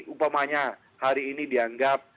upamanya hari ini dianggap